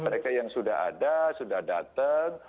mereka yang sudah ada sudah datang